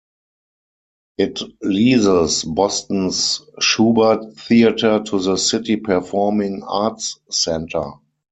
It leases Boston's Shubert Theatre to the Citi Performing Arts Center.